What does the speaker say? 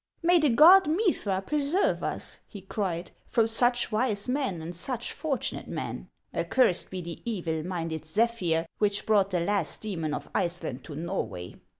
" May the god Mithra preserve us," he cried, " from such wise men and such fortunate men ! Accursed be the evil minded zephyr which brought the last demon of Iceland to Norway.